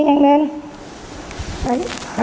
uống đi nhanh lên